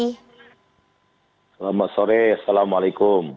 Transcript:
selamat sore assalamualaikum